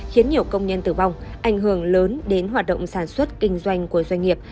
khiến nhiều công nhân tử vong ảnh hưởng lớn đến hoạt động sản xuất kinh doanh của doanh nghiệp